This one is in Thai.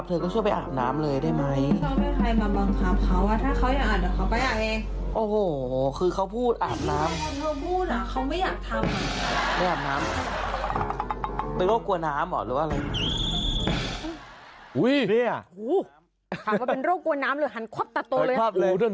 เปลี่ยนเมื่อเขาพูดอ่ะเขาไม่อาบทาง